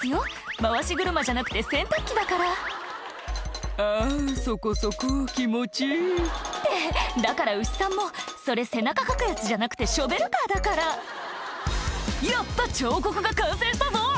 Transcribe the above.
回し車じゃなくて洗濯機だから「あぁそこそこ気持ちいい」ってだから牛さんもそれ背中かくやつじゃなくてショベルカーだから「やった彫刻が完成したぞ！」